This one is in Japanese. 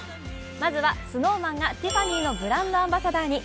まずはＳｎｏｗＭａｎがティファニーのブランドアンバサダーに。